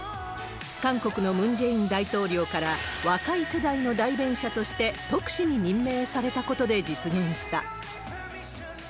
韓国のムン・ジェイン大統領から、若い世代の代弁者として特使に任命されたことで実現した。